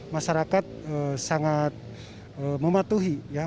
masyarakat sangat mematuhi